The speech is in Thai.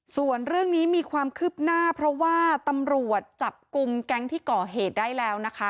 ส่วนเรื่องนี้มีความคืบหน้าเพราะว่าตำรวจจับกลุ่มแก๊งที่ก่อเหตุได้แล้วนะคะ